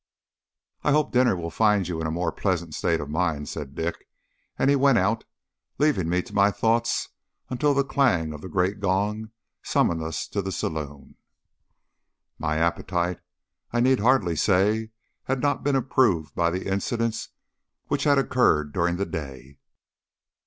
"I hope dinner will find you in a more pleasant state of mind," said Dick; and he went out, leaving me to my thoughts until the clang of the great gong summoned us to the saloon. My appetite, I need hardly say, had not been improved by the incidents which had occurred during the day.